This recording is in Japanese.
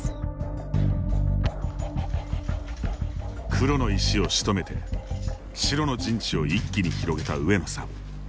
黒の石をしとめて白の陣地を一気に広げた上野さん。